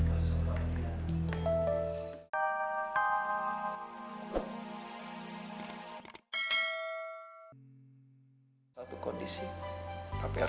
oh gitu silahkan masuk pak